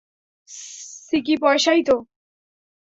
সিকি পয়সাই তো।